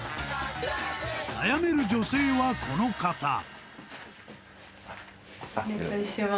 悩める女性はこの方お願いします